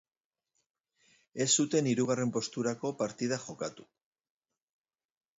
Ez zuten hirugarren posturako partida jokatu.